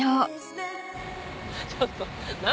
ちょっと。